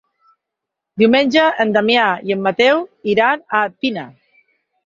Diumenge na Damià i en Mateu iran a Pina.